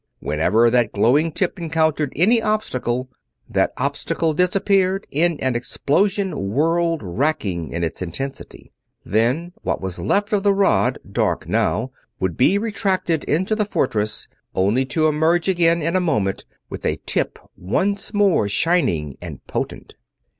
Whenever that glowing tip encountered any obstacle, that obstacle disappeared in an explosion world wracking in its intensity. Then what was left of the rod, dark now, would be retracted into the fortress only to emerge again in a moment with a tip once more shining and potent.